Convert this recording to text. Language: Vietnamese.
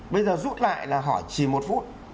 bây giờ rút lại là hỏi chỉ một phút